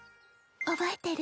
覚えてる？